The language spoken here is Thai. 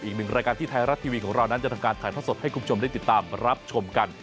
อีกหนึ่งรายการที่ไทยรัฐทีวีของเรานั้นจะทำการถ่ายทอดสดให้คุณผู้ชมได้ติดตามรับชมกัน